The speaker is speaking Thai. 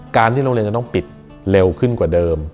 การที่โรงเรียนจะต้องปิดเร็วขึ้นกว่าเดิม